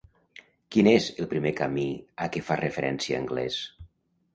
Quin és el primer camí a què fa referència Anglès?